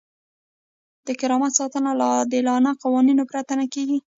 د کرامت ساتنه له عادلانه قوانینو پرته نه کیږي.